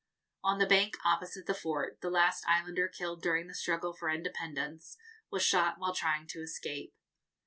On the bank opposite the fort, the last islander killed during the struggle for independence was shot while trying to escape.